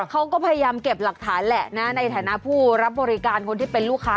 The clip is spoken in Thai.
เขาก็พยายามเก็บหลักฐานแหละนะในฐานะผู้รับบริการคนที่เป็นลูกค้า